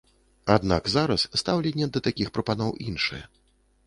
Аднак зараз стаўленне да такіх прапаноў іншае.